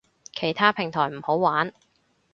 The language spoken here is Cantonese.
其他平台唔好玩